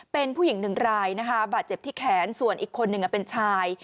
เป็นผู้หญิงหนึ่งรายนะคะบาดเจ็บที่แขนส่วนอีกคนหนึ่งเป็นชาย